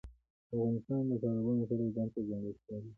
افغانستان د تالابونه د پلوه ځانته ځانګړتیا لري.